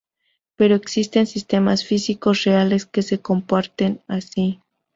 Pero, ¿existen sistemas físicos reales que se comporten así?